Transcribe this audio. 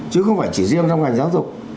chứ không phải chỉ riêng trong ngành giáo dục